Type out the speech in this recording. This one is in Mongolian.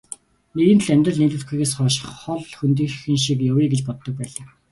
Нэгэнт л амьдрал нийлүүлэхгүйгээс хойш хол хөндийхөн шиг явъя гэж боддог байлаа.